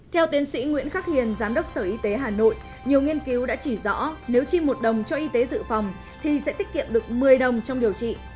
theo tiến sĩ nguyễn khắc hiền giám đốc sở y tế hà nội nhiều nghiên cứu đã chỉ rõ nếu chi một đồng cho y tế dự phòng thì sẽ tiết kiệm được một mươi đồng trong điều trị